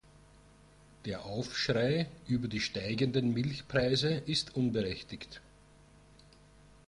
Der Aufschrei über die steigenden Milchpreise ist unberechtigt.